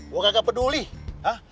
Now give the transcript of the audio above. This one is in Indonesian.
gue gak peduli ha